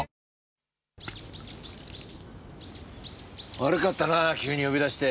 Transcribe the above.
悪かったな急に呼び出して。